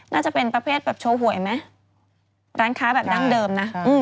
น่าจะเป็นประเภทแบบโชว์หวยไหมร้านค้าแบบดั้งเดิมนะ